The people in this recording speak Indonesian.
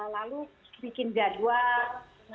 lalu bikin jadwal